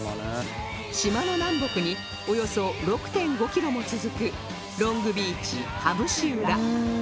島の南北におよそ ６．５ キロも続くロングビーチ羽伏浦